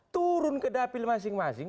turun ke dapil masing masing